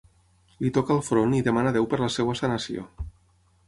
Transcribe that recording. Li toca el front i demana a Déu per la seva sanació.